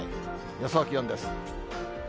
予想気温です。